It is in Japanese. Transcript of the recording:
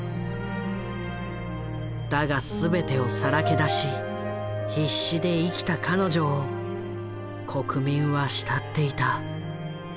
だが全てをさらけ出し必死で生きた彼女を国民は慕っていた。